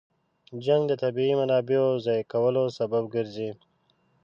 جنګ د طبیعي منابعو ضایع کولو سبب ګرځي.